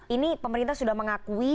ini pemerintah sudah mengakui